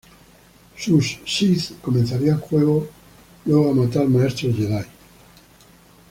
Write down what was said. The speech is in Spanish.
Sus Sith comenzarían luego a matar Maestros Jedi.